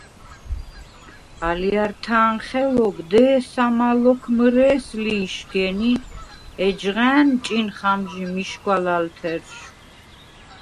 ალჲართა̄ნ ხელობ დე̄სამა ლოქ მჷრე̄ს ლი იშგენ ი ეჯღა ანჭინხ ამჟი მიშგვა ლალთერშვ.